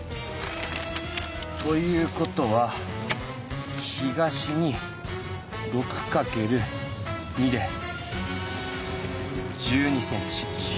という事は東に６かける２で１２ｃｍ。